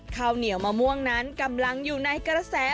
ข้าวเหนียวมะม่วงนั้นกำลังอยู่ในกระแส